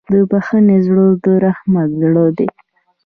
د بښنې زړه د رحمت زړه دی.